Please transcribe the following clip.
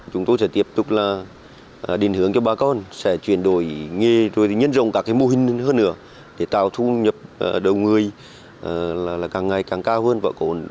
chúng tôi sẽ tiếp tục là định hướng cho bà con sẽ chuyển đổi nghề rồi nhấn rộng các mô hình hơn nữa để tạo thu nhập đầu người là càng ngày càng cao hơn và có ổn định lâu dài